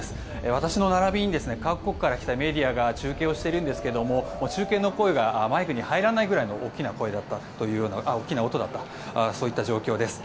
私の並びに各国から来たメディアが中継をしているんですけども中継の声がマイクに入らないぐらい大きな音だったという状況です。